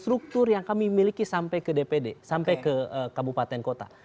struktur yang kami miliki sampai ke dpd sampai ke kabupaten kota